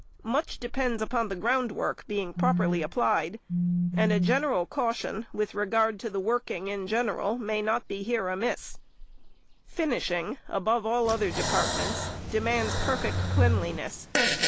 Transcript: Much depends upon the groundwork being properly applied; and a general caution with regard to the working in general may not be here amiss. Finishing, above all other departments, demands perfect cleanliness.